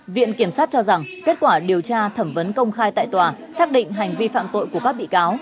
viện kiểm sát cho rằng kết quả điều tra thẩm vấn công khai tại tòa xác định hành vi phạm tội của các bị cáo